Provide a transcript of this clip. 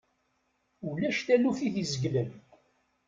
Ulac taluft i t-izegglen.